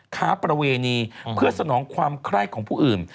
ค้าประเวณีเพื่อสนองความไคร้ของผู้อื่น